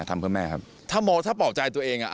ทำเพื่อแม่ครับถ้าบอกใจตัวเอง